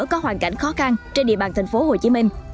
có hoàn cảnh khó khăn trên địa bàn thành phố hồ chí minh